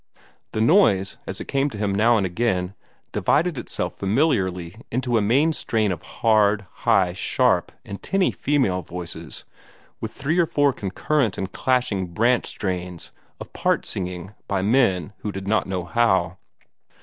The noise, as it came to him now and again, divided itself familiarly into a main strain of hard, high, sharp, and tinny female voices, with three or four concurrent and clashing branch strains of part singing by men who did not know how.